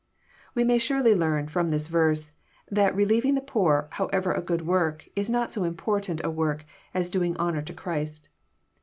We may surely learn, from this verse, that relieving the poor, however good a work, is not so important a work as doing honour to Christ.